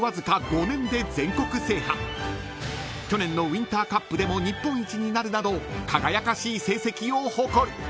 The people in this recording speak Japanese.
［去年のウインターカップでも日本一になるなど輝かしい成績を誇る］